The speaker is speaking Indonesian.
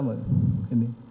ini yang terjadi